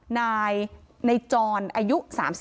นายในจรอายุ๓๒